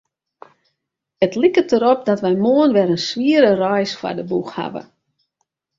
It liket derop dat wy moarn wer in swiere reis foar de boech hawwe.